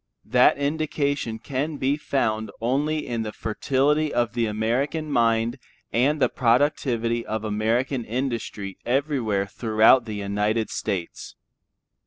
That indication can be found only in the fertility of the American mind and the productivity of American industry everywhere throughout the United States.